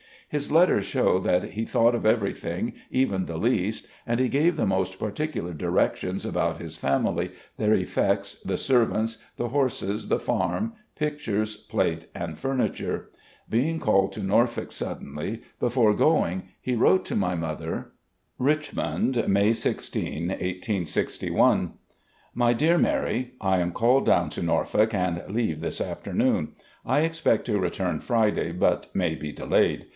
His letters show that he thought of everything, even the least, and he gave the most particular directions about his family, their effects, the servants, the horses, the farm, pictures, plate, and furniture. Being called to Norfolk suddenly, before going he wrote to my mother: "Richmond, May 16, 1861. "My Dear Mary: I am called down to Norfolk and leave this afternoon. I expect to return Friday, but may be delayed.